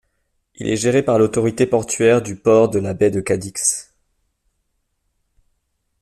Il est géré par l'autorité portuaire du port de la baie de Cadix.